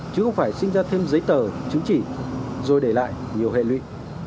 chứ không phải sinh ra thêm giấy tờ chứng chỉ rồi để lại nhiều hệ lụy